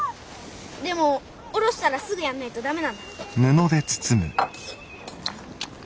でもおろしたらすぐやんないとダメなんだ。